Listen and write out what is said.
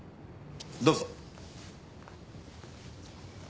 どうぞ。